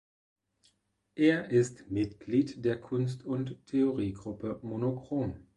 Er ist Mitglied der Kunst- und Theoriegruppe monochrom.